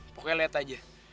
pokoknya liat aja